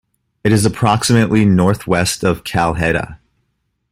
It is approximately northwest of Calheta.